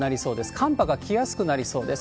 寒波が来やすくなりそうです。